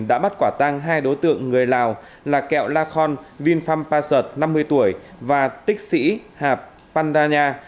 đã bắt quả tăng hai đối tượng người lào là kẹo la khon vinpham pasat năm mươi tuổi và tích sĩ hạp pandanya